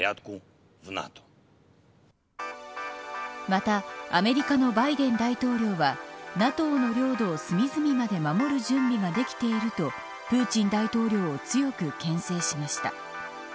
またアメリカのバイデン大統領はＮＡＴＯの領土を隅々まで守る準備ができているとプーチン大統領を強くけん制しました。